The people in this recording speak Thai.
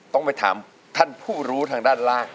ต้องไปถามท่านผู้รู้ทางด้านล่าง